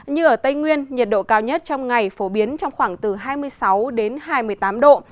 như ở tây nguyên nhiệt độ cao nhất trong ngày phổ biến trong khoảng từ hai mươi sáu hai mươi tám độ